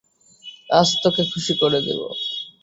আজ তোকে খুশি করে দিবো।